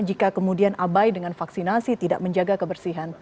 jika kemudian abai dengan vaksinasi tidak menjaga kebersihan